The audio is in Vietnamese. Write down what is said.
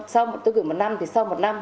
sau tôi gửi một năm thì sau một năm